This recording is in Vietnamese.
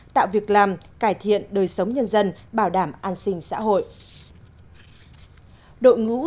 tạo việc làm cải thiện đời sống nhân dân bảo đảm an sinh xã hội